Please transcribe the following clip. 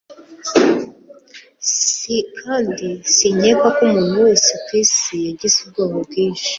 Kandi sinkeka ko umuntu wese kwisi yagize ubwoba bwinshi